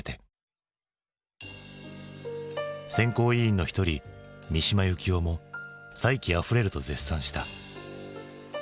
選考委員の一人三島由紀夫も「才気あふれる」と絶賛した。